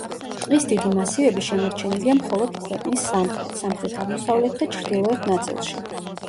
ტყის დიდი მასივები შემორჩენილია მხოლოდ ქვეყნის სამხრეთ, სამხრეთ-აღმოსავლეთ და ჩრდილოეთ ნაწილში.